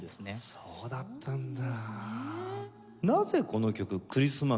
そうだったんだ。